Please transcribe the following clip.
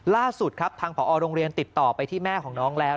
ล่าสุดครับทางผอโรงเรียนติดต่อไปที่แม่ของน้องแล้ว